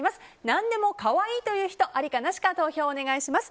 何でも可愛いと言う人ありかなしか投票をお願いします。